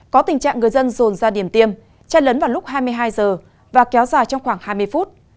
có tình trạng người dân rồn ra điểm tiêm che lấn vào lúc hai mươi hai giờ và kéo dài trong khoảng hai mươi phút